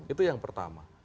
itu yang pertama